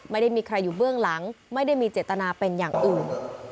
ไม่ได้มีใครอยู่เบื้องหลังไม่ได้มีเจตนาเป็นอย่างอื่น